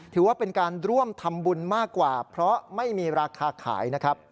ถือว่าเป็นการร่วมทำบุญมากกว่าเพราะไม่มีราคาขายนะครับ